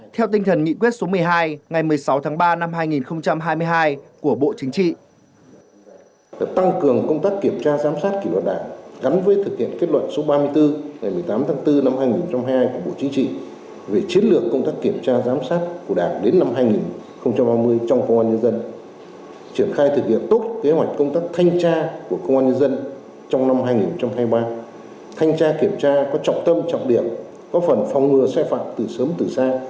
theo tinh thần nghị quyết số một mươi hai ngày một mươi sáu tháng ba năm hai nghìn hai mươi hai của bộ chính trị